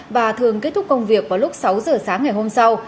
và thường kết thúc công việc vào lúc sáu giờ sáng ngày hôm sau